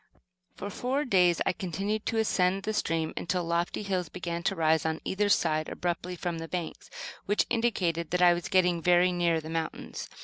For four days I continued to ascend the stream, until lofty hills began to rise on either side abruptly from the banks; which indicated that I was getting very near the mountains.